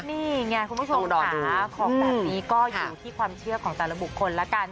นี่ไงคุณผู้ชมค่ะของแบบนี้ก็อยู่ที่ความเชื่อของแต่ละบุคคลแล้วกัน